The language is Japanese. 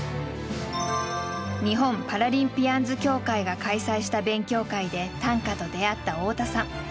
日本パラリンピアンズ協会が開催した勉強会で短歌と出会った太田さん。